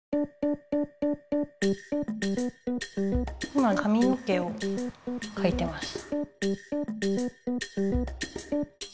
今かみの毛をかいてます。